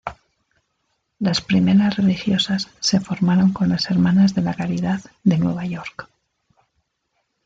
Las primeras religiosas se formaron con las Hermanas de la Caridad de Nueva York.